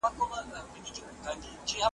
د علمي څیړنو پایلې باید د خلګو سره شریکي سي.